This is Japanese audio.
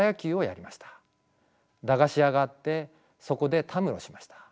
駄菓子屋があってそこでたむろしました。